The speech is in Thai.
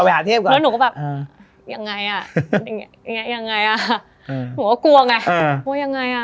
ยังไงอะยังไงอะหนูก็กลัวไงเออโอ้ยยังไงอะ